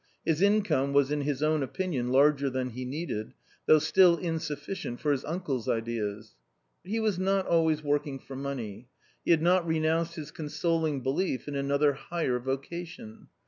His income was in his own opinion larger than he needed, though still insufficient for his uncle's ideas. But he was not always working for money. He had not renounced his consoling belief in another higher vocation.